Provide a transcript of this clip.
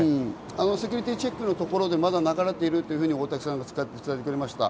セキュリティーチェックのところでまだ流れていると大竹さんが伝えてくれました。